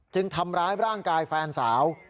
ทำร้ายร่างกายแฟนสาว